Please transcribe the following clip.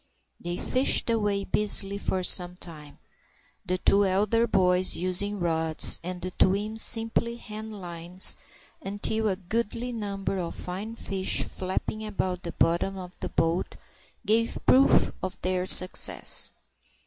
They fished away busily for some time, the two elder boys using rods, and the twins simply hand lines, until a goodly number of fine fish flapping about the bottom of the boat gave proof of their success.